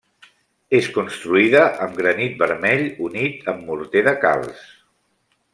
És construïda amb granit vermell unit amb morter de calç.